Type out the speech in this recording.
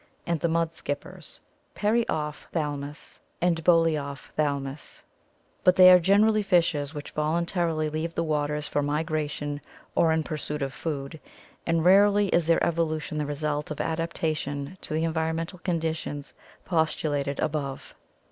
137), and the mud skippers, Peru 480 ORGANIC EVOLUTION ophthalmus and Bokopktkalmus, but they are generally fishes which voluntarily leave the waters for migration or in pursuit of food, and rarely is their evolution the result of adaptation to the environmen tal conditions postulated above.